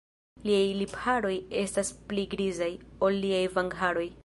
Liaj lipharoj estas pli grizaj, ol liaj vangharoj.